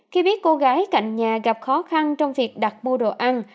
khi biết cô gái cạnh nhà gặp khó khăn trong việc đặt mua đồ ăn